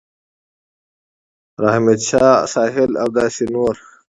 رحمت شاه ساحل او داسې نور